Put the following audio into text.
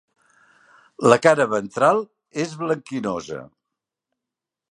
La cara ventral és blanquinosa.